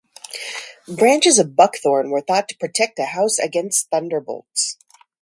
Branches of buckthorn were thought to protect a house against thunderbolts.